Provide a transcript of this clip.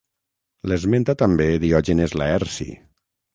L'esmenta també Diògenes Laerci.